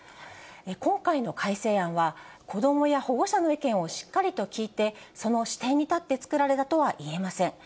今回の改正案は、子どもや保護者の意見をしっかりと聞いて、その視点に立って作られたとは言えません。